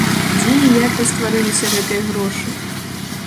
Дзе і як растварыліся гэтыя грошы?